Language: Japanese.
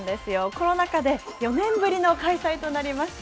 コロナ禍で、４年ぶりの開催となりました。